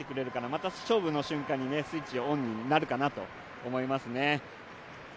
また勝負の瞬間にスイッチオンになるかなと思いますね。